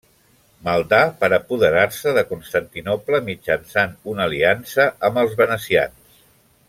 Maldà per apoderar-se de Constantinoble mitjançant una aliança amb els venecians.